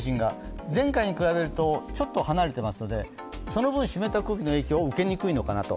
前回に比べるとちょっと離れていますのでその分、湿った空気の影響を受けにくいのかなと。